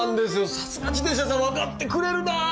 さすが自転車屋さん分かってくれるな！